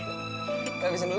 kita habisin dulu